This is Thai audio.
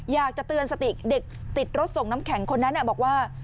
อยากจะเตือนสติเด็กติดรถส่งน้ำแข็งคนนั้นบอกว่า